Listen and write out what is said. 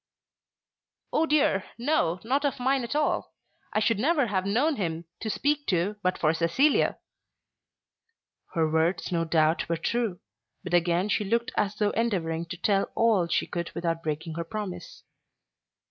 "Oh dear, no, not of mine at all. I should never have known him to speak to but for Cecilia." Her words no doubt were true; but again she looked as though endeavouring to tell all she could without breaking her promise.